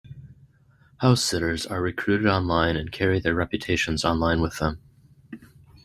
House sitters are recruited online and carry their reputations online with them.